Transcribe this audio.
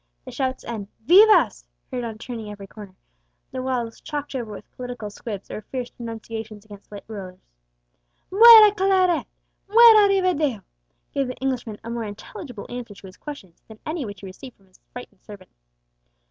The shouts and vivas heard on turning every corner; the walls chalked over with political squibs or fierce denunciations against late rulers, "muera Claret," "muera Rivadeo," gave the Englishman a more intelligible answer to his questions than any which he received from his frightened servant.